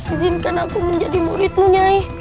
izinkan aku menjadi muridmu nyai